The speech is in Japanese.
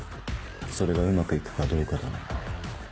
それがうまく行くかどうかだな。